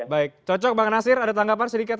baik cocok bang nasir ada tanggapan sedikit